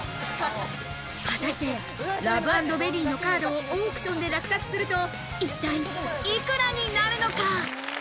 果たして「ラブａｎｄベリー」のカードをオークションで落札すると、一体いくらになるのか？